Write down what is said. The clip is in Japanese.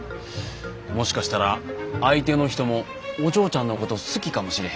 もしかしたら相手の人もお嬢ちゃんのこと好きかもしれへんな。